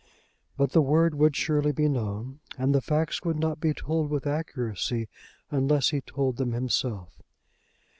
But the word would surely be known, and the facts would not be told with accuracy unless he told them himself.